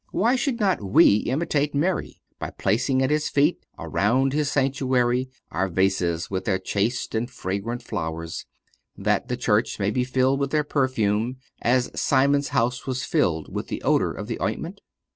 Why should not we imitate Mary by placing at His feet, around His sanctuary, our vases with their chaste and fragrant flowers, that the Church may be filled with their perfume, as Simon's house was filled with the odor of the ointment?